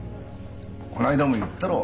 この間も言ったろう。